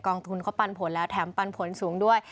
ทุนเขาปันผลแล้วแถมปันผลสูงด้วย